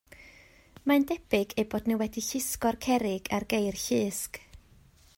Mae'n debyg eu bod nhw wedi llusgo'r cerrig ar geir llusg.